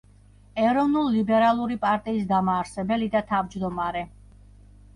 ეროვნულ-ლიბერალური პარტიის დამაარსებელი და თავმჯდომარე.